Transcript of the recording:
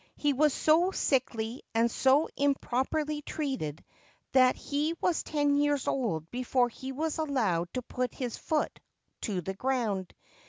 He was so sickly and so improperly treated that he was ten years old before he was allowed to put his foot to the ground.